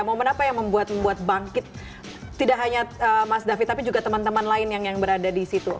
momen apa yang membuat membuat bangkit tidak hanya mas david tapi juga teman teman lain yang berada di situ